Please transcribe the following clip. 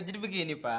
jadi begini pak